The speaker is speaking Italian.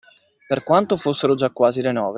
Per quanto fossero già quasi le nove